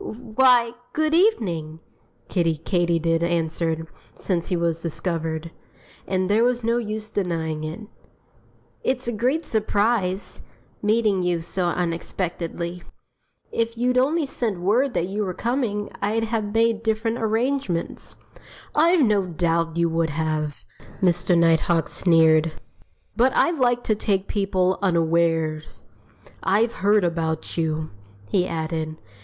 "Why, good evening!" Kiddie Katydid answered, since he was discovered and there was no use denying it. "It's a great surprise meeting you so unexpectedly. If you'd only sent word that you were coming I'd have made different arrangements." "I've no doubt you would have!" Mr. Nighthawk sneered. "But I like to take people unawares.... I've heard about you," he added.